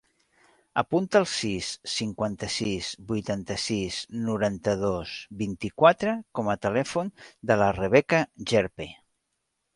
Apunta el sis, cinquanta-sis, vuitanta-sis, noranta-dos, vint-i-quatre com a telèfon de la Rebeca Gerpe.